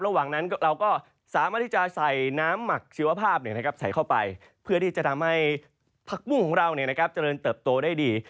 ระหว่างนั้นเราก็สามารถที่จะใส่น้ำหมักชีวภาพใส่เข้าไปเพื่อที่จะทำให้ผักบุ้งของเราเจริญเติบโตได้ดี